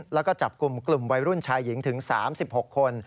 แล้วก็จับกลุ่มกลุ่มวัยรุ่นชายหญิงถึง๓๖คน